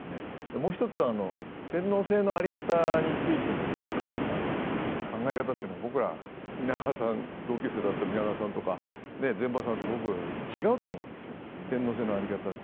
もう一つ、天皇制の在り方についても考え方というのは僕らは同級生だった皆川さんとか膳場さんと僕は違うと思うんですよね、天皇制の在り方って。